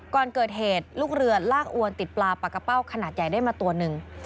ก่อนเกิดเหตุลูกเรือลากอวนติดปลาปากกระเป้าขนาดใหญ่ได้มาตัวหนึ่ง